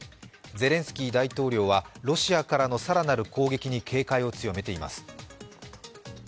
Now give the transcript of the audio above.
ゼレンスキー大統領はロシアからの更なる攻撃に警戒を強めています。